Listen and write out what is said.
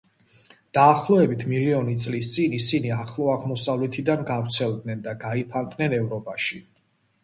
დაახლოებით მილიონი წლის წინ ისინი ახლო აღმოსავლეთიდან გავრცელდნენ და გაიფანტნენ ევროპაში.